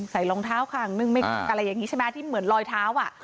รองเท้าข้างนึงไม่อะไรอย่างนี้ใช่ไหมที่เหมือนลอยเท้าอ่ะ